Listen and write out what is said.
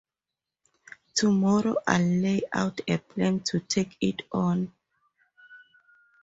Tomorrow I'll lay out a plan to take it on.